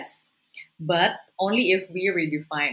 tapi hanya jika kita mengganti